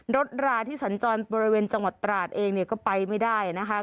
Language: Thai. ราที่สัญจรบริเวณจังหวัดตราดเองเนี่ยก็ไปไม่ได้นะคะ